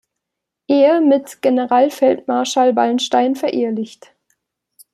Ehe mit Generalfeldmarschall Wallenstein verehelicht.